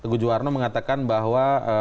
teguh juwarno mengatakan bahwa